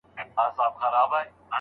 له چینې به دي ساړه سیوري ټولیږي